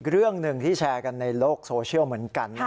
เรื่องหนึ่งที่แชร์กันในโลกโซเชียลเหมือนกัน